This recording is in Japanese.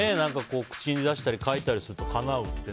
口に出したり書いたりするとかなうってね。